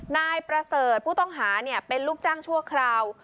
นายประเสริฐผู้ต้องหาเป็นลูกจ้างชั่วคราว